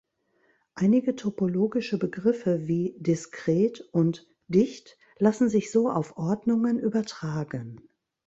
Einige topologische Begriffe wie "diskret" und "dicht" lassen sich so auf Ordnungen übertragen.